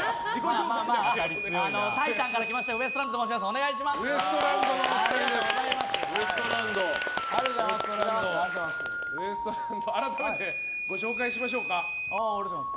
タイタンから来ましたウエストランドと申します。